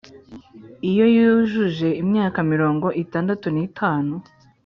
iyo yujuje imyaka mirongo itandatu n’itanu